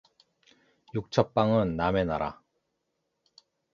육첩방은 남의 나라